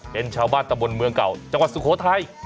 เป็นชาวบ้านตะบนเมืองเก่าจังหวัดสุโขทัย